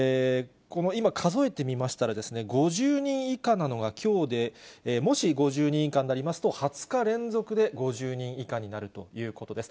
今、数えてみましたら、５０人以下なのが、きょうで、もし５０人以下になりますと、２０日連続で５０人以下になるということです。